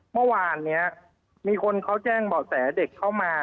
เมื่อวานนี้มีคนเขาแจ้งเบาะแสเด็กเข้ามา